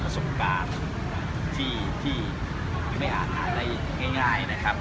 ประสบการณ์ที่ไม่อาจหาได้ง่ายนะครับ